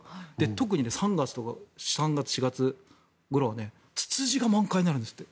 特に３月、４月ごろはツツジが満開になるんですって。